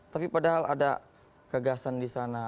tapi padahal ada gagasan di sana